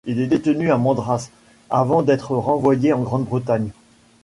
Il est détenu à Madras, avant d'être renvoyé en Grande-Bretagne.